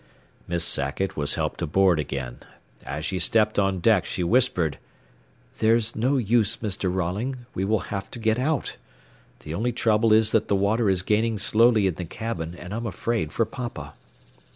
Miss Sackett was helped aboard again. As she stepped on deck she whispered, "There's no use, Mr. Rolling. We will have to get out. The only trouble is that the water is gaining slowly in the cabin, and I'm afraid for papa."